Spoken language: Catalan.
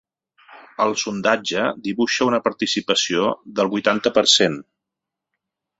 El sondatge dibuixa una participació del vuitanta per cent.